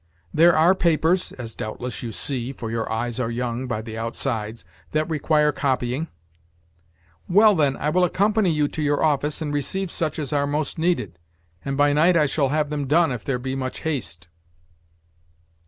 "There are papers (as doubtless you see [for your eyes are young] by the outsides) that require copying." "Well, then, I will accompany you to your office, and receive such as are most needed, and by night I shall have them done if there be much haste."